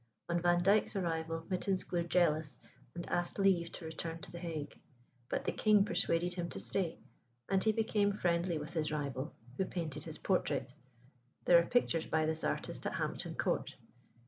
On Vandyke's arrival Mytens grew jealous and asked leave to return to the Hague. But the king persuaded him to stay, and he became friendly with his rival, who painted his portrait. There are pictures by this artist at Hampton Court.